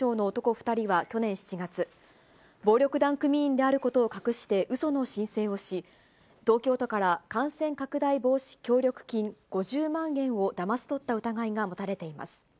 ２人は去年７月、暴力団組員であることを隠して、うその申請をし、東京都から感染拡大防止協力金５０万円をだまし取った疑いが持たれています。